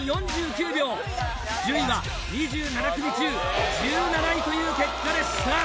順位は２７組中１７位という結果でした。